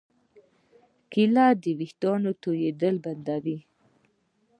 کېله د ویښتانو تویېدل بندوي.